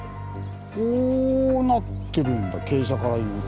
こうなってるんだ傾斜からいうと。